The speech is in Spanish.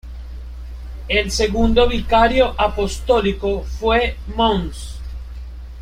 El segundo Vicario Apostólico fue Mons.